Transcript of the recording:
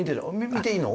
見ていいの？